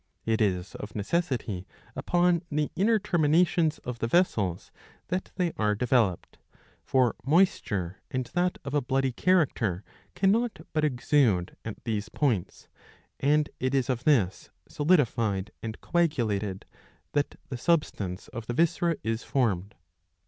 It is of necessity upon the inner terminations of the vessels that they are developed ; for moisture, and that of a bloody character, cannot but exude at these points, and it is of this, solidified and coagulated, that the substance of the viscera is formed.